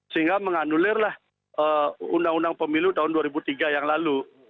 sehingga menganulirlah undang undang pemilu tahun dua ribu tiga yang lalu